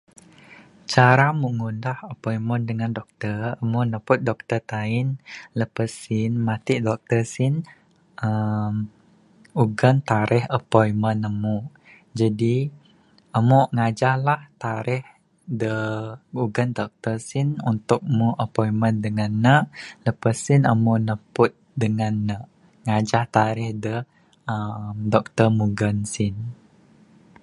Cara mu ngundah appointment dangan doctor amu napud doctor taye. Lepas sien matik doctor sien nyugon tarikh appointment amu jadi amu ngajah la tarikh da jugon doctor sien untuk mu appointment dangan ne lepas sien amu napud ne amu ngajah doctor da mugon tarikh sien.